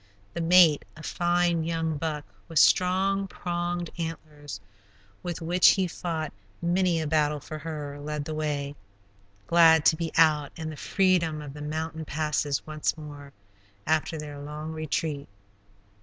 The mate, a fine young buck, with strong, pronged antlers, with which he fought many a battle for her, led the way, glad to be out in the freedom of the mountain passes once more, after their long retreat.